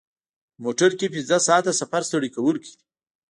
په موټر کې پنځه ساعته سفر ستړی کوونکی دی.